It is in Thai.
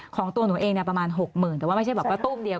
ของตัวหนูเองเนี่ยประมาณ๖๐๐๐แต่ว่าไม่ใช่แบบว่าตู้มเดียว